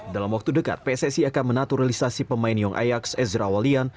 dalam waktu dekat pssi akan menaturalisasi pemain young ayaks ezra walian